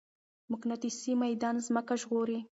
مقناطيسي ميدان ځمکه ژغوري.